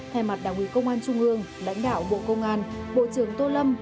thay mặt đảng ủy công an trung ương lãnh đạo bộ công an bộ trưởng tô lâm